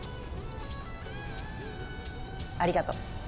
ありがと。